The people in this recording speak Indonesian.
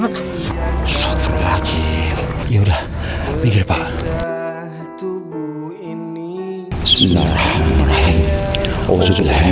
kita bawa ke tempat pemakaman ya baiklah bu